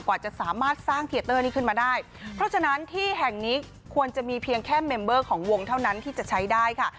กว่าจะสามารถสร้างเทียเตอร์นี้ขึ้นมาได้เพราะฉะนั้นที่แห่งนี้ควรจะมีเพียงแค่เมมเบอร์ของวงเท่านั้นที่จะใช้ได้ค่ะ